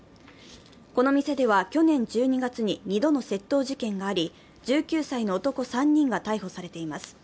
この店では去年１２月に２度の窃盗事件があり、１９歳の男３人が逮捕されています。